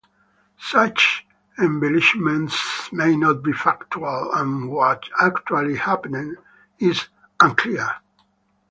Such embellishments may not be factual, and what actually happened is unclear.